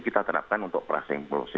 kita terapkan untuk praseimpulasi